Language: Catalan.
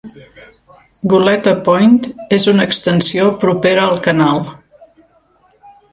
Goleta Point és una extensió propera al canal.